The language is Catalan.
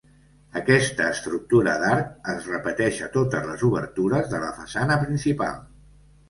Aquesta estructura d'arc es repeteix a totes les obertures de la façana principal.